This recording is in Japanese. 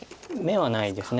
眼はないです